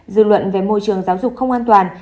dư luận về môi trường giáo dục không an toàn